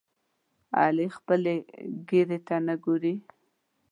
علي خپلې ګیرې ته نه ګوري.